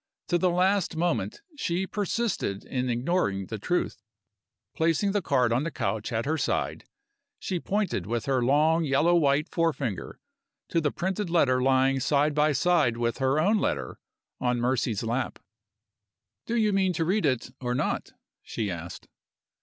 To the last moment she persisted in ignoring the truth! Placing the card on the couch at her side, she pointed with her long yellow white forefinger to the printed letter lying side by side with her own letter on Mercy's lap. "Do you mean to read it, or not?" she asked.